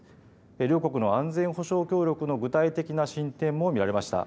両国の安全保障協力の具体的な進展も見られました。